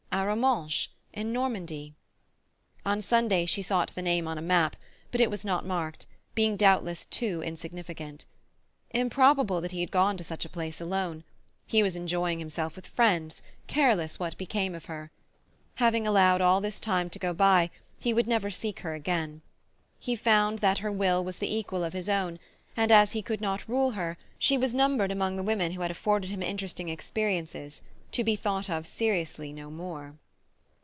Arromanches, in Normandy—? On Sunday she sought the name on a map, but it was not marked, being doubtless too insignificant. Improbable that he had gone to such a place alone; he was enjoying himself with friends, careless what became of her. Having allowed all this time to go by he would never seek her again. He found that her will was the equal of his own, and, as he could not rule her, she was numbered among the women who had afforded him interesting experiences, to be thought of seriously no more.